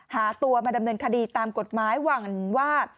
หาตัวมาดำเนินคดีตามกฎหมายหวังว่า